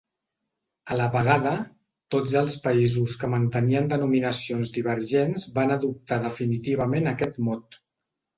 A la vegada, tots els països que mantenien denominacions divergents van adoptar definitivament aquest mot.